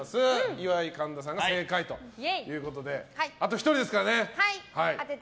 岩井、神田さんが正解ということであと１人ですからね。